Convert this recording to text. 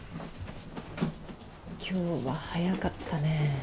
今日は早かったね